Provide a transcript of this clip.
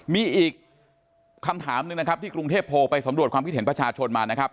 มีอีกคำถามหนึ่งนะครับที่กรุงเทพโพลไปสำรวจความคิดเห็นประชาชนมานะครับ